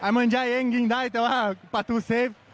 มันใจเองกินได้แต่ว่าประตูเซฟ